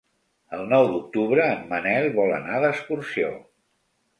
El nou d'octubre en Manel vol anar d'excursió.